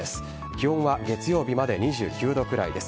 気温は月曜日まで２９度くらいです。